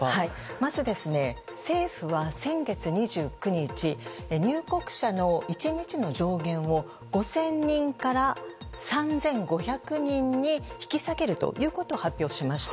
まず、政府は先月２９日入国者の１日の上限を５０００人から３５００人に引き下げるということを発表しました。